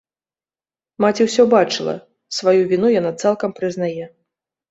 Маці ўсё бачыла, сваю віну яна цалкам прызнае.